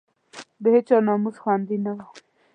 د هېچا ناموس خوندي نه وو.